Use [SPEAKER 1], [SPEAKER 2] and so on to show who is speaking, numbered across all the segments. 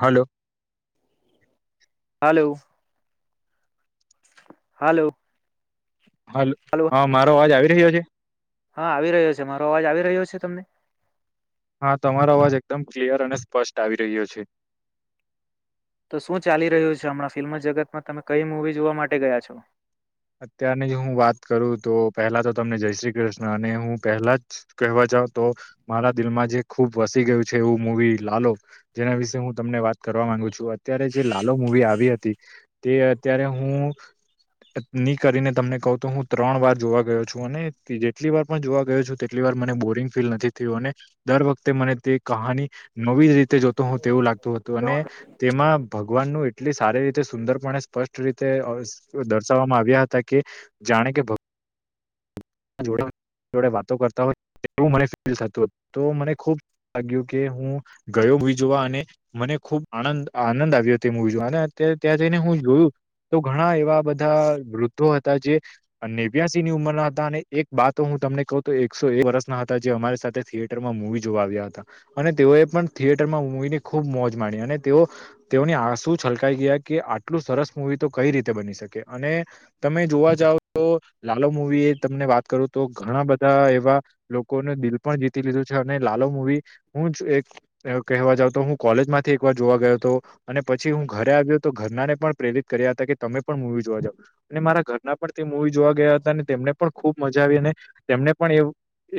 [SPEAKER 1] હાલો
[SPEAKER 2] હાલ હાલો
[SPEAKER 1] હ
[SPEAKER 2] હાલો
[SPEAKER 1] હા મારો અવાજ આવી રહ્યો છે
[SPEAKER 2] હા આવી રહ્યો છે મારો અવાજ આવી રહ્યો છે તમને
[SPEAKER 1] હા તમારો અવાજ એકદમ ક્લિયર અને સ્પષ્ટ આવી રહ્યો છે
[SPEAKER 2] તો શું ચાલી રહ્યું છે હમણાં ફિલ્મ જગતમાં તમે કઈ મૂવી જોવા માટે ગયા છો
[SPEAKER 1] અત્યારની જ હું વાત કરું તો પહેલા તો તમને જય શ્રી કૃષ્ણ અને હું પહેલા જ કહેવા છ તો મારા દિલમાં જે ખુબ વસી ગયું છે એવું મવી લાલો જેના વિશે હું તમને વાત કર કરવા માંગુ છું અત્યારે જે લાલ મુવી આવી હતી તે અત્યારે હું ની કરીને તમને કહું તો હું ત્રણ વાર જોવા ગયો છું અને જેટલી વાર પણ જોવા ગયો છું તેટલી વાર મને બોલ નથી થયું અને દર વખતે મને તે કહાની નવી જોતો હોું તેવું લાગતું હતું અને તેમાં ભગવાનનું એટલી સારી રી સુંદરપણે સ્પષ્ટ રીતે દર્શાવવામાં આવ્યા હતા કે જાણે કે ડ જોડે વાતો કરતા હોય એવું મને ફીલ થતું હો તો મને ખુબ લાગ્યું કે હું ગયો મ જોવા અને મને ખુબ આનંદ આનંદ આવ્યો તે મ જોવા ત્યાં જઈને હું જ જોયું તો ઘણા એવા બધા વૃદ્ધો હતા જે નેવ્યાસી ની ઉંમરના હતા અને એક બાત હું તમને કહ તો એકસો એક વર્ષના હતા જે અમારી સાથે થિયેટરમાં મુવી જોવા આવ્યા હતા અને તે પણ થિયેટર માં મવીને ખૂબ મોજ માણી અને તેઓ તેઓની આ શું છલકાઈ ગયા કે આટલું સરસ મવી તો કઈ રીતે બની શકે અને તમે જોવા જાવ તો લાલ મવી એ તમને વાત કરું તો ઘણા બધા એવા લોકોનું દિલ પણ જીતી લીધું છે અને લાલો મુવી હું જ એક કહેવા જાવ તો હું કોલેજ માંથી એક વાર જોવા ગયો હતો અને પછી હું ઘરે આવ્યો તો ઘરના ને પણ પ્રેરિત કર્યા હતા કે તમે પણ મવી જોવા જાવ અને મારા ઘરના પણ તે મવી જોવા ગયા હતા અને તેમને પણ ખૂબ મજા આવી અને તેમને પણ એવ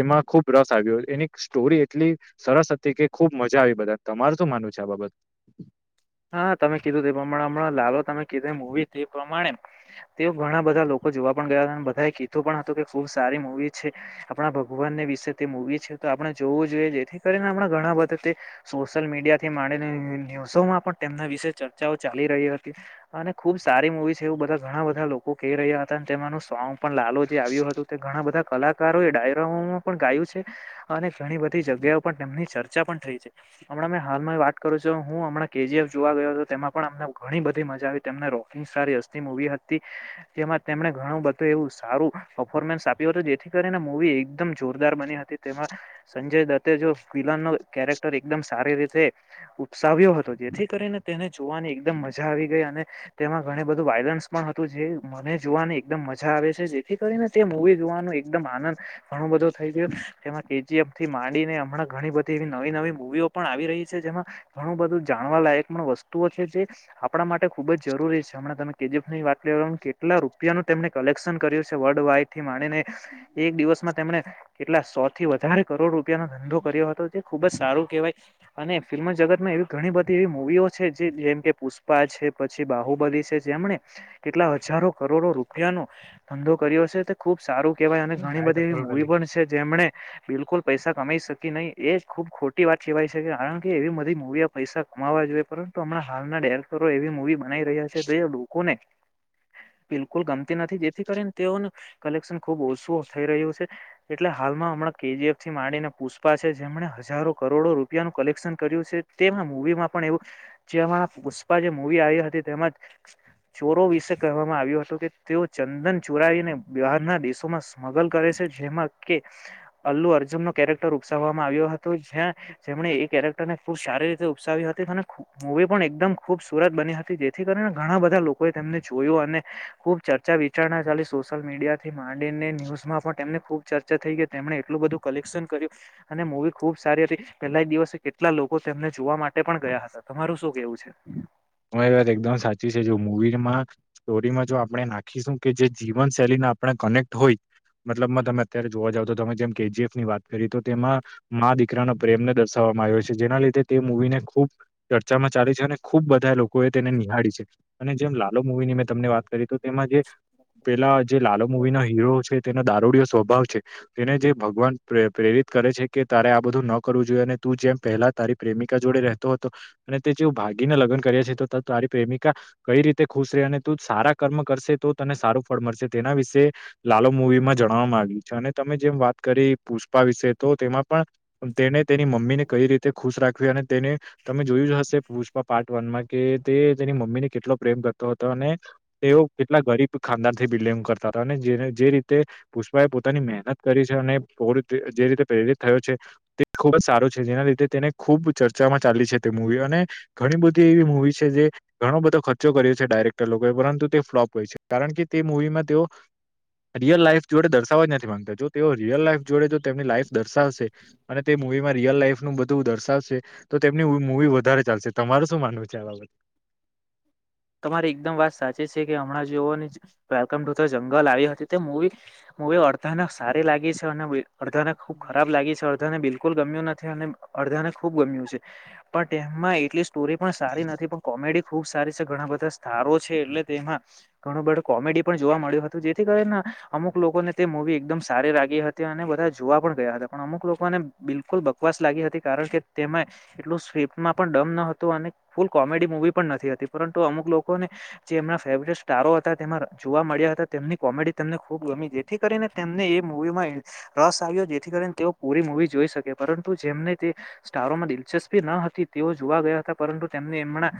[SPEAKER 1] એમાં ખુબ રસ આવ્યો એની સ્ટોરી એટલી સરસ હતી કે ખુબ મજા આવી બધા તમાર શું માનવ છે બાબત
[SPEAKER 2] હા તમે કીધું તે પ્રમાણે હમણાં લાલો તમે કીધું મવી તે પ્રમાણે તેઓ ઘણા બધા લોકો જોવા પણ ગયા હતા બધા એ કીધું પણ હતું કે ખુબ સારી મૂવી છે આપણા ભગવાનને વિશે તે મુવી છે આપણે જોવું જોઈએ જેથી કરીને આપણા ઘણા બધા તે સોશિયલ મીડિયા થી માંડીને ન્યૂઝોમાં પણ તેમના વિશે ચર્ચાઓ ચાલી રહી હતી અને ખુબ સારી મુવી છે એવું બધા ઘણા બધા લોકો કહી રહ્યા હતા તેનું સોંગ પણ લાલ જે આવ્યું હતું તે ઘણા બધા કલાકારો એ ડાયરામોમાં પણ ગાયું છે અને ઘણી બધી જગ્યા પણ તેમની ચર્ચા પણ થઈ છે હણાં મેં હાલમાં વાત કરું છ હું હમણાં કેજીએફ જોવા ગયો હતો તેમાં પણ અમને ઘણી બધી મજા આવી તેમને રોકિંગ સ્ટારસતી મુવી હતી જેમાં તેમણે ઘણું બધું એવું સારું પફોર્મન્સ આપ્યું હતું જેથી કરીને મવી એકદમ જોરદાર બની હતી સંજય દત્ત જો વિિલન નો કેરેક્ટર એકદમ સારી રીતે ઉપસાવ્યો હતો જેથી કરીને તેને જોવાની એકદમ મજા આવી ગઈ અને તેમાં ઘણ બધું વાયલન્સ પણ હતું જે મને જોવાની એકદમ મજા આવે છે જેથી કરીને તે મવી જોવાનું એકદમ આનંદ ઘણો બધો થઈ ગયો કેજીમ થી માંડીને હમણાં ઘણી બધી એવી નવી નવી મુવીઓ પણ આવી રહી છે જેમાં ઘણું બધું જાણવાલાયક પણ વસ્તુઓ છે જે આપણા માટે ખુબ જ જરૂરી છેમ તમે કેફની વાત લે કેટ રૂપિયાનું તેમને કલેક્શન કર્યું છે વર્લ્ડ વાડ થી માનીને એક દિવસમાં તેમને કેટલા સો થી વધારે કરોડ રૂપિયાનોો ધંધો કર્યો હતો જે ખુબ જ સારું કેહેવાય અને ફિલ્મ જગતમાં એવી ઘણી બધી એવી મૂવીઓ છે જે જેમ કે પુષ્પા છે પછી બાહુબલી છે જેમણે કેટલા હજારો કરોડો રૂપિયાનોો ધંધો કર્યો છે તે ખુબ સારું કહેવાય અને ઘણી
[SPEAKER 1] ગાય
[SPEAKER 2] બધી એવી
[SPEAKER 1] ચપલ લઈ
[SPEAKER 2] મુવી પણ છે જેમને બિલકુલ પૈસા કમાઈ શકી નહીિ એ ખુબ ખોટી વાત સહેવાય શકે કારણ કે એવી બધી મુૂવીઓ પૈસા કમાવા જોઈએ પરંતુ હમણાં હાલના ડેરેક્ટરો એવી મુવી બનાવી રહ્યા છે લોકોને બિલકુલ ગમતી નથી જેથી કરીને તેઓનું કલેક્શન ખુબ ઓછું થઈ રહ્યું છે એટલે હાલમાં હમણાં કેજીએફથી માંડીને પુષ્પા છે જેમણે હજારો કરોડો રૂપિયાનુંું કલેક્શન કર્યું છે તેમાં મવીમાં પણ એવું જેમાં પુષ્પા જે મવી આવી હતી તેજ ચોરો વિશે કહેવામાં આવ્યો હતું કે તેઓ ચંદન ચોરાવીને બહારના દેશોમાં સ્મગલ કરે છે જેમાં કે અલ્લુ અર્જુન નો કેરેક્ટર ઉપસાવવામાં આવ્યો હતો જેમણે એ કેરેક્ટરને ખૂબ સારી રીતે ઉપસાવી હતી અને મૂવી પણ એકદમ ખુબસરત બની હતી જેથી કરીને ઘણા બધા લોકોએ જોયું અને ખુબ ચર્ચા વિચારણા ચાલી સોશિયલ મીડિયા થી માંડીને ન્યૂઝમાં પણને ખબ ચર્ચા થઈ ગ તેમણે એટલું બધું કલેક્શન કર્યું અને મવી ખુબ સારી હતી પેલા દિવસે કેટલા લોકો લોકો તેમને જોવા માટે પણ ગયા હતા તમારું શું કેવું છે
[SPEAKER 1] હું એ વાત એકદમ સાચી છે જો મુવીમાં સ્ટોરીમાં જો આપણે નાખીશું કે જે જીવન શૈલીનું આપણે કનેક્ટ હોય મતલબમાં તમે અત્યારે જોવા જાવ તો તમે જેમ કેજીએફ ની વાત કરી તો તેમાં મા દીકરાનો પ્રેમને દર્શાવ છે જેના લીધે તે મવીને ખૂબ ચર્ચામાં ચાલી છે અને ખૂબા બ લોકો એ તેને નિહાળી છે અને જેમ લાલ મુવીની મેં તમને વાત કરી તો તેમાં જે પેલા જે લાલ મુવી ના હીરો છે તેના દારૂડયો સ્વભાવ છે તેને જે ભગવાન પ્રેરિત કરે છે કે તારે આ બધું ન કરવું જોઈએ અને તું જે પહેલા તારી પ્રેમિકા જોડે રહેતો હતો અને તે જેવું ભાગીને લગ્ન તો તારી પ્રેમિકા કઈ રીતે ખુશ રહે અને તું સારા કર્મ કરશે તો તને સારું ફળ મળશે તે એ વિશે લાલો મવી માં જણાવવા માંગ્યું છે અને તમે જેમ વાત કરી પુષ્પા વિશે તો તેમાં પણ તેને તેની મમ્મી ને કઈ રીતે ખુશ રાખવી અને તેને તમે જોયું હશે પુષ્પા પા કે તેની મમ્મીને કેટલો પ્રેમ કરતો હતો અને તેઓ કેટલા ગરીબ ખાનદાન થી બિ કરતા હતા જે રીતે પુષ્પા એ પોતાની મહેનત કરી છે અને જે રીતે પ્રેરિત થ છે તે ખૂબ જ સારો છે જેના લીધે તેને ખૂબ ચર્ચામાં ચાલી છે તે મવી અને ઘણી બધી વી મુવી છે જે ઘણો બધો ખર્ચો કર્યો છે ડાયરેક્ટર લોકોએ પરંતુ તે ફ્લોપ ગઈ છે કારણ કે તે મુવી માં તેઓ રિયલ લાઈફ જોડે દર્શાવવા જ નથી માંગતા જો તેઓ રીયલ લાઈફ જોડે જો તેમની લાઈફ દર્શાવશે અને તે મુવી માં રિયલ લાઈફ નું બધું દર્શાવશે તો તેમની મુવી વધારે ચાલશે તમારું શું માનવું છે આ બાબત?
[SPEAKER 2] તમારી એકદમ વાત સાચી છે કે હમણાં જેઓ વેલકમ ટુ ધ જંગલ આવી હતી તે મુવી અડધાને સારી લાગી છે અને અડધાને ખુબ ખરાબ લાગી છે અધાને બિલકુલ ગમ્યું નથી અને અડધાને ખૂબ ગમ્યું છે પણ તેમાં એટ સ્ટોરી પણ સારી નથી પણ કોમેડી ખૂબ સારી ઘણા બધા સ્ટારો છે એટલે તેમાં ઘણો બધો કોમેડી પણ જોવા મળ્યું હતું જેથી કરીને અમુક લોકોને તે મુવી એકદમ સારી લાગી હતી અને બધા જોવા પણ ગયા હતા. પણ અમુક લોકોને બિલકુલ બકવાસ લાગી કારણ કે તે માં એટલો સ્વેપમા પણ ડમ ન હતો અને ફૂલ કોમેડી મુવી પણ નથી હતી પરંતુ અમુક લોકોને જે એમના ફેવરેટ સ્ટારો હતા તેમાં જોવા મળ્યા હતા તેમની કોમેડી તેમને ખુબ જેથી કરીને તેમને એ મુૂવીમાં રસ આવ્યો જેથી કરીને તેઓ પૂરી મૂવી જોઈ શકે પરંતુ સ્ટારોમાં દિલચસ્પી ન હતી તેઓ જોવા ગયા હતા પરંતુ તેમને એમના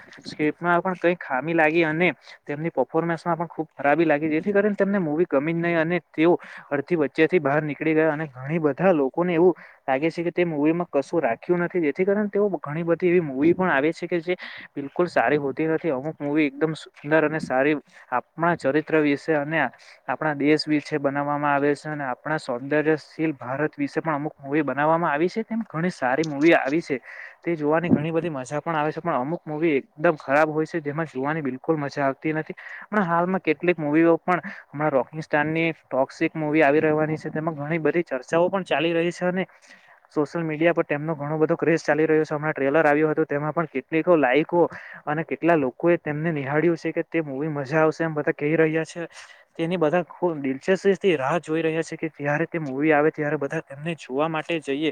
[SPEAKER 2] માં પણ કઈ ખામી લાગી અને તેમની પર્ફોર્મન્સમાં પણ ખુબ ખરાબી લાગી જેથી કરીને તેમને મુવી ગમી અને તેઓ અડધી વચ્ચેથી બહાર નીકળી ગયા અને ઘણી બધા લોકોને એવું લાગે છે કે તે મુવી માં કશું રાખ્યું નથી જેથી કારીન તેઓ ઘણી બધી એવી મુવી પણ આવે છે કે જે બિલકુલ સારી હો તી નથી અમુક મુવી એકદમ સુંદર અને સારી આપણા ચરિત્ર વિશે અને આપણા દેશ એસ વિશે બનાવવામાં આવે છે અને આપણા સૌંદર્યશીલ ભારત વિશે પણ અમુક મુવી બનાવવામાં આવી છે ત્યાં ઘણી સારી મૂવી આવી છે તે જોવાની ઘણી બધી મજા પણ આવે છે પણ અમુક મુવી એકદમ ખરાબ હોય છે જેમાં જોવાની બિલકુલ મજા આવતી નથી પણ હાલમાં કેટલીક મુવીઓ પણ હમણાં રો ટોકશીક મુવી આવી રહેવાની છે તેમાં ઘણી બધી ચર્ચાઓ પણ ચાલી રહી છે અને સોશિયલ મીડિયા પર તેમનો ઘણો બધો ક્રેઝ ચાલી રહ્યો છે હમણાં ટ્રેલર આવ્યુ હતું તેમાં પણ કેટલીકો લાયકો અને કેટલા લોકોએ તેમને નિહાળ્યું છે કે તે મૂવી મજા આવશે એમ બધા કહી રહ્યા છે તેની બધા ખૂબ દિલચસ્પીથી રાહ જોઈ રહ્યા છે ત્યારે તે મૂવી આવે ત્યારે બધા તેમને જોવા માટે જઈએ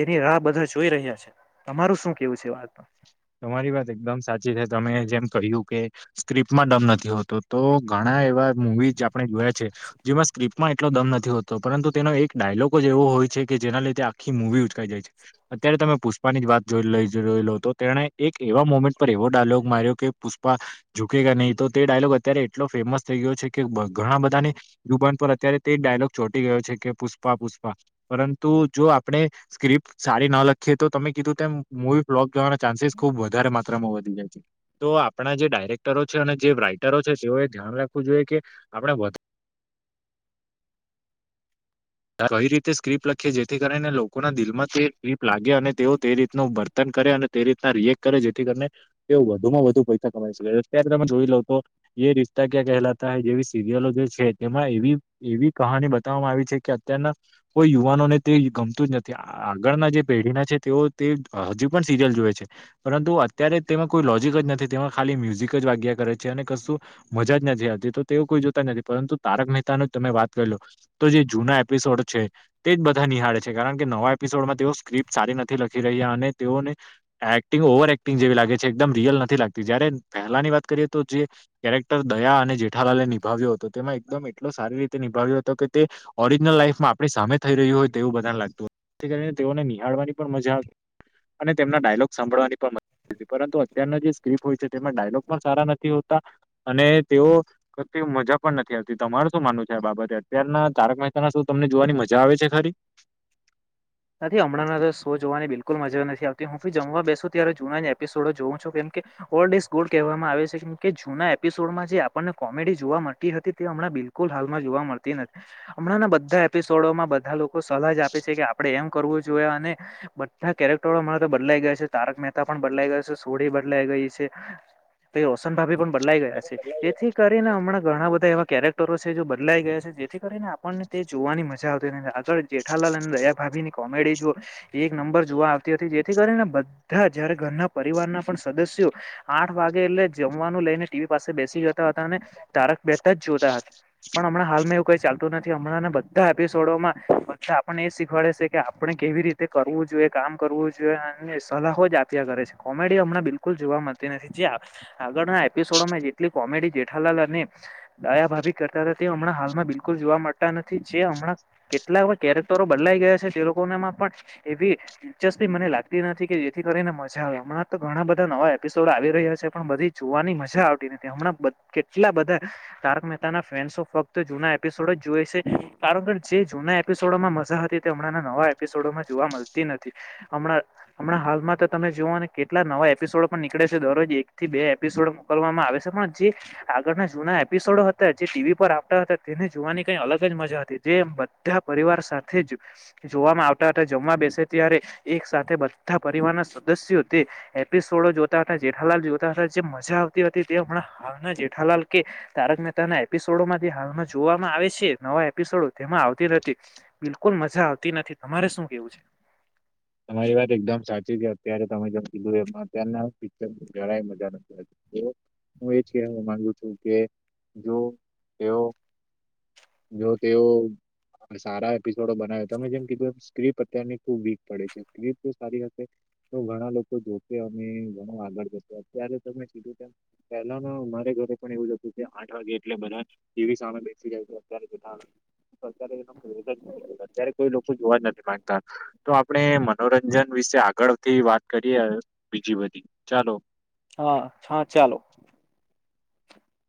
[SPEAKER 2] તેવી રાહ બધા જોઈ રહ્યા છે. તમારું શું કહેવું છે એ વાતમાં?
[SPEAKER 1] [inaudible] તમારી વાત એકદમ સાચી છે તમે જેમ કહ્યું કે સ્ક્રિપ્ટમાં દમ નથી હોતો તો ઘણા એવા મુવીઝ આપણે જોયા છે જેમાં સ્ક્રિપ્ટ માં એટલો દમ નથી હોતો પરંતુ તેનો એક ડાયલોગ જ એવો હોય છે કે જેના લીધે આખી મુવી ઉચકાઈ જાય છે. અત્યારે તમે પુષ્પાની જ વાત જોઈ લો જોઈ લો તો તેણે એક એવા મોમેન્ટ પર એવો ડાયલોગ માર્યો કે પુષ્પા જુકે કા નહી તો તે ડાયલોગ અત્યારે એટલો ફેમસ થઈ ગયો છે કે બ ઘણા બધાની જુબાન પર અત્યારે તે ડાયલોગ ચોટી ગયો છે કે પુષ્પા પુષ્પા પરંતુ જો આપણે સ્ક્રિપ્ટ સારી ન લખીએ તો તમે કીધું તેમ મુવી ફ્લોપ જવાના ચાન્સીસ ખુબ વધારે માત્રામાં વધી જાય છે. તો આપણા જે ડાયરેક્ટરો છે અને જે રાઈટરો છે તેઓએ ધ્યાન રાખવું જોઈએ કે આપણે વધા [inaudible] આ કઈ રીતે સ્ક્ર્રીપ્ટ લખીએ જેથી કરીને લોકોના દિલ માં તે સ્ક્રીપ્ટ લાગે અને તેઓ તે રીતનો વર્તાવ વર્તન કરે અને તે રીતના રિએક્ટ કરે જેથી કરીને તેઓ વધુમાં વધુ પૈસા કમાઈ શકે છે. અત્યારે તમે જોઈ લો તો યે રિશ્તા ક્યાં કહેલાતા હે જેવી સિરિયલો જે છે તેમાં એવી એવી કહાની બતાવવામાં આવી છે કે તેના કોઈ યુવાનોને તે ગમતું જ નથી આગળના જે પેઢીના છે તેઓ તે હજી પણ સિરિયલ જોએ છે પરંતુ અત્યારે તેમાં કોઈ લોજીક જ નથી તેમાં ખાલી મ્યુઝિક જ વાગ્યા કરે છે. અને કશું મજા જ નથી આવતી તો તેઓ કોઈ જોતા નથી પરંતુ તારક મહેતાનો જ તમે વાત કરી લો તો જે જૂના એપિસોડ છે તે જ બધા નિહાળે છે. કારણ કે નવા એપિસોડમાં તેઓ સ્ક્રિપ્ટ સારી નથી લખી રહ્યા અને તેઓને એક્ટિંગ ઓવર એક્ટિંગ જેવી લાગે છે એકમ રિયલ નથી લાગતી જ્યારે પેહેલાની વાત કરીએ તો જે કેરેક્ટર દયા અને જેઠાલાલે નિભાવ્યો હતો. તેમાં એકદમ એટલો સારી રીતે નિભાવ્યો હતો કે તે ઓર લાઈફમાં આપણી સામે થઈ રહ્યું હોય તેવું બધાને લાગતું હોય તેથી કરીને તેઓને નિહાળવાની પણ મજાઆવતી અને તેમના ડાયલોગ સાંભળવાની પણ પરંતુ અત્યારનાં જે સ્ક્રિપ્ટ હોય છે તેમાં ડાયલોગ પણ સારા નથી હોતા અને તેઓ મજા પણ નથી આવતી તમારુ શું માનવું છે આ બાબતે અત્યારના તારક એમાં શું તમને જોવાની મજા આવે છે ખરી
[SPEAKER 2] હજી હમણાં તો શો જોવાની બિલકુલ મજા નથી આવતી હું ભી જમવા બેસુ ત્યારે જૂના જ એપિસોડો જ જોવું છો કેમ કે ઓલ્ડ ઇઝ ગોલ્ડ કહેવામાં આવે છે કે જૂના એપિસોડમાં જે આપણને કોમેડી જોવા મળતી હતી તે હમણાં બિલકુલ હાલમાં જોવા મળતી નથી હમણાંના બધા એપિસડોમાં બધા આ લોકો સલાહ જ આપે છે કે આપ આપણે એમ કરવું જોઈએ અને બધા કેરેક્ટરો મારે તો બદલાઈ ગયા છે તારક મહેતા પણ બદલાઈ ગયો છે સોઢી બદલાઈ ગઇ છે તે રોશનભાભી પણ બદલાઈ ગયા છે એથી કરીને હમણાં ઘણા બધા એવા કેરેક્ટર [unintelligible] બદલાઈ ગયા છે જેથી કરીને આપણને તે જોવાની મજા આવતી નથી આગળ જેઠાલાલ અને દયા ભાભીની કોમેડી જો એક નંબર જોવા આવતી હતી જેથી કરીને બધાં જયારે ઘરના પરિવારના પણ સદસ્યો આઠ વાગે એટલે જમવાનું લઈને ટીવી પાસે બેસી જતા હતા અને તારક મેહતા જ જોઈ પણ હમણાં હાલમાં એવું કઈ ચાલતું નથી હમણાંના બધા એપિસોડોમાં બધા આપણને એજ પડે છે કે આપણે કેવી રીતે કરવું જોઈએ કામ કરવું જોઈએ અને સલાહો જ આપ્યા કરે છે કોમેડીઓ હમણાં બિલકુલ જોવા મળતી નથી જે આગળના એપિસોડો માં જેટલી કોમેડી જેઠાલાલ અને દ દયા ભાભી કરતા હતા તે હમણાં હાલમાં બિલકુલ જોવા મળતા નથી જે હમણાં કેટલાઓ કેરેક્ટરો બદલાઈ ગયા છે તે લોકોનામાં પણ એવી દિલચસ્પી મને લાગતી નથી કે જેથી કરીને મજા આવે હમણાં તો ઘણા બધા નવા એપિસોડ આવી રહ્યા છે પણ બધી જોવાની મજા આવતી નથી હમણાં બ કેટલા બધા તારક મહેતા ના ફેન્સો ફક્ત જૂના એપિસોડ જ જોય છે જે જૂના એપિસોડમાં માં જોવા મળતી નથીમણાં હાલમાં તમે જો. કેટલા નવા એપિસોડ પણ નીકળે છે દરરોજ એક થી બે એપિસોડકવામાં આવે છે પણ જે આગળના જૂના એપિસોડો હતા જે ટીવી પર આપતા હતા તેને જોવાની કઈ અલગ જ મજા હતી જે બધા પરિવાર સાથે. જોવામાં આવતા હતા જમવા બેસે ત્યારે એક સાથે બધા પરિવારના સદસ્યો તે, એપિસોડો જોતા હતા જેઠાલાલ જોતા હતા જે મજા આવતી હતી તે હમણાં હાલ જેઠાલાલ કે, તારક મહેતા ના એપિસોડોમાંથી હાલમાં જોવામાં આવે છે નવા એપિસોડો તેમાં આવતી નથી બિલકુલ મજા આવતી નથી તમારે શું કેવું છે.
[SPEAKER 1] તમારી વાત એકદમ સાચી જ ત્યારે તમે જેમ કીધું એમાં અતારના પિક્ચર જરા મજા નથી હું એજ કહેવા માંગુ છું કે જો તેઓ. જો તેઓ સારા એપિસોડો બનાવ્યો તમે જેમ કીધું એમ સ્ક્રીિપ્ટ અત્યારની ખુબ વીક. પડે છે સ્ સારી હશે તો ઘણા લોકો જોશે અને ઘણો આગળ જશે અત્યારે ત ીધું પહેલા મારે ઘરે પણ એવું જ હતું કે આઠ વાગે એટલે બધ એવી સામે બેસી જાય અત્યારે કોઈ લોકો જોવા જ નથી. માંગતા તો આપણે મનોરંજન વિશે આગળથી વાત કરીએ બીજી બધી ચાલો,
[SPEAKER 2] હા હા ચાલો